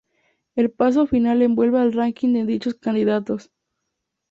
El paso final envuelve el ranking de dichos candidatos.